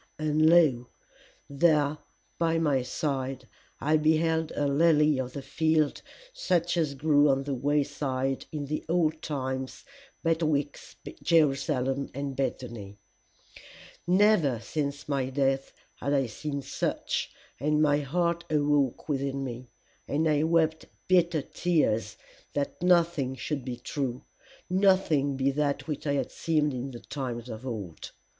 And lo! there by my side I beheld a lily of the field such as grew on the wayside in the old times betwixt Jerusalem and Bethany. Never since my death had I seen such, and my heart awoke within me, and I wept bitter tears that nothing should be true, nothing be that which it had seemed in the times of old.